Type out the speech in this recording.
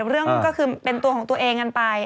เรื่องก็คือเป็นตัวของตัวเองกันไป